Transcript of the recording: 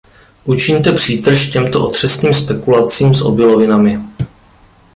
Učiňte přítrž těmto otřesným spekulacím s obilovinami.